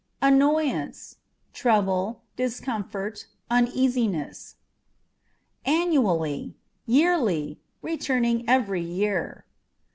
Annoyance â€" trouble, discomfort, uneasiness. Annually â€" yearly ; returning every year.